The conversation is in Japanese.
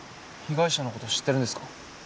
被害者のこと知ってるんですか？